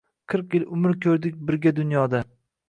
Qirq yil umr ko’rdik birga dunyoda